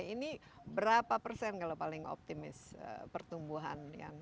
ini berapa persen kalau paling optimis pertumbuhan yang